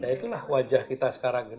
itulah wajah kita sekarang